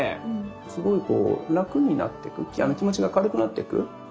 すごい楽になってく気持ちが軽くなっていく。